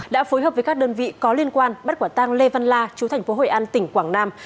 đã phối hợp với các đơn vị có liên quan bắt quả tang lê văn la chú thành phố hội an tỉnh quảng nam